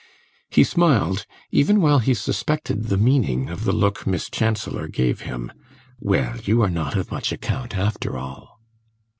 He smiled even while he suspected the meaning of the look Miss Chancellor gave him: "Well, you are not of much account after all!"